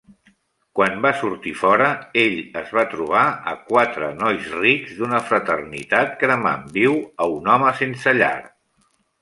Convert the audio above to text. Quan va sortir fora, ell es va trobar a quatre nois rics d'una fraternitat cremant viu a un home sense llar.